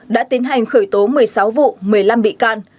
đã tiến hành khởi tố một mươi sáu vụ một mươi năm bị can